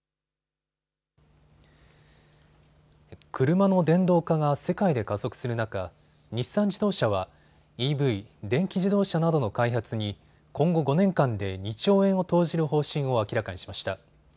車の電動化が世界で加速する中、日産自動車はＥＶ・電気自動車などの開発に今後５年間で２兆円を投じる方針を明らかにしました。